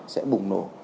sẽ bùng nổ